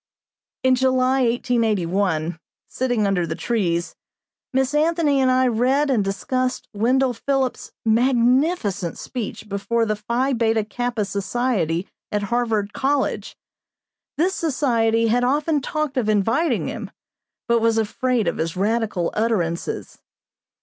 In July, 1881, sitting under the trees, Miss Anthony and I read and discussed Wendell Phillips' magnificent speech before the Phi Beta Kappa Society at Harvard College. This society had often talked of inviting him, but was afraid of his radical utterances.